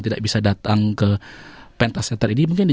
tidak bisa datang ke pentasator ini